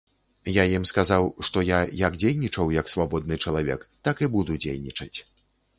Я ім сказаў, што я як дзейнічаў як свабодны чалавек, так і буду дзейнічаць.